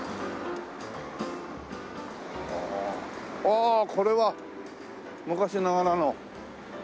ああこれは昔ながらの。